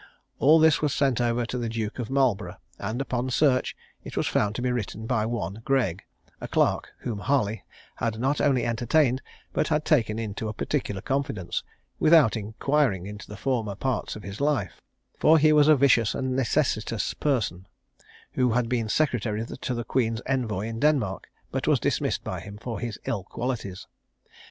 All this was sent over to the Duke of Marlborough; and, upon search, it was found to be written by one Gregg, a clerk, whom Harley had not only entertained, but had taken into a particular confidence, without inquiring into the former parts of his life; for he was a vicious and necessitous person, who had been secretary to the Queen's envoy in Denmark, but was dismissed by him for his ill qualities.